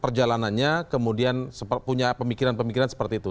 perjalanannya kemudian punya pemikiran pemikiran seperti itu